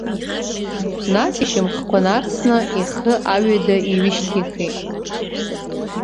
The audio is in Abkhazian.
Нас ишьамхқәа нарсны, ихы аҩада иҩышьҭихит…